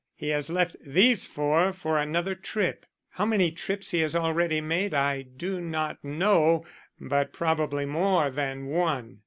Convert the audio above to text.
He has left these four for another trip. How many trips he has already made I do not know, but probably more than one."